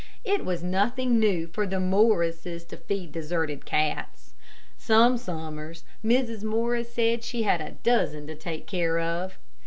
It was nothing new for the Morrises to feed deserted cats. Some summers, Mrs. Morris said that she had a dozen to take care of.